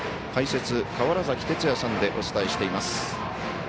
解説、川原崎哲也さんでお伝えしています。